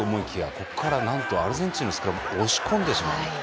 ここから、なんとアルゼンチンのスクラムを押し込んでしまう。